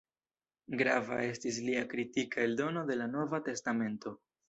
Grava estis lia kritika eldono de la "Nova Testamento".